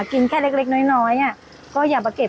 กล้วยทอด๒๐๓๐บาท